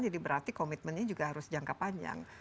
jadi berarti komitmennya juga harus jangka panjang